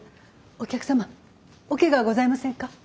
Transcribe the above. お客様おケガはございませんか？